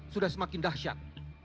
sudah semakin dahsyat